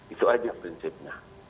itu saja prinsipnya